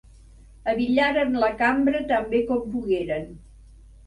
Abillaren la cambra tan bé com pogueren.